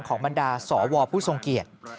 ของบรรดาสอวอร์ผู้ทรงเกียจ